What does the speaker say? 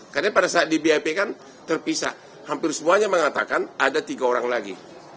karena pada saat di bap kan terpisah hampir semuanya mengatakan ada tiga orang lagi